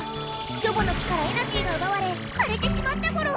「キョボの木」からエナジーがうばわれかれてしまったゴロ！